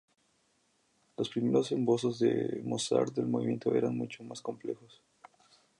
Los primeros esbozos de Mozart del movimiento eran mucho más complejos.